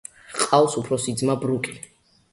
ჰყავს უფროსი ძმა ბრუკი.